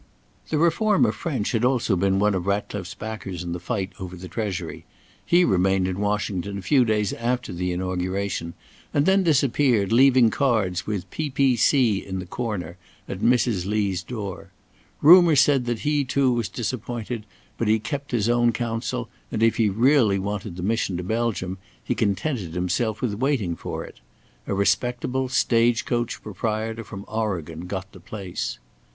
The reformer French had also been one of Ratcliffe's backers in the fight over the Treasury. He remained in Washington a few days after the Inauguration, and then disappeared, leaving cards with P.P.C. in the corner, at Mrs. Lee's door. Rumour said that he too was disappointed, but he kept his own counsel, and, if he really wanted the mission to Belgium, he contented himself with waiting for it. A respectable stage coach proprietor from Oregon got the place.